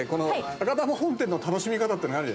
「赤玉本店の楽しみ方」っていうのがある。